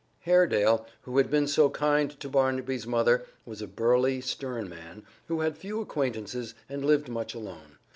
Haredale, who had been so kind to Barnaby's mother, was a burly, stern man who had few acquaintances and lived much alone.